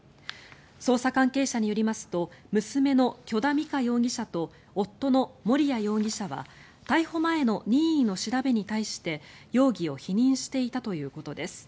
捜査関係者によりますと娘の許田美香容疑者と夫の盛哉容疑者は逮捕前の任意の調べに対して容疑を否認していたということです。